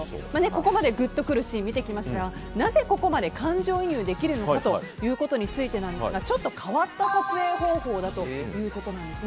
ここまでグッとくるシーンを見てきましたがなぜ、ここまで感情移入ができるのかについてですがちょっと変わった撮影方法だということです。